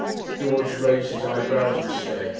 George raised his eyebrows and stared.